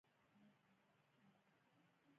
د زابل په ارغنداب کې د سمنټو مواد شته.